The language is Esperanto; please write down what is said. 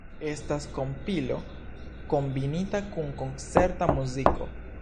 Estas kompilo kombinita kun koncerta muziko.